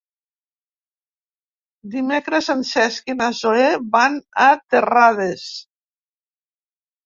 Dimecres en Cesc i na Zoè van a Terrades.